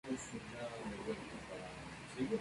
Sin duda alguna su reforma religiosa formó escuela.